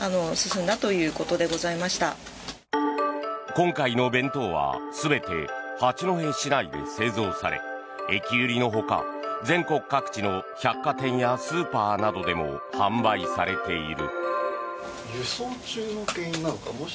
今回の弁当は、全て八戸市内で製造され駅売りのほか全国各地の百貨店やスーパーなどでも販売されている。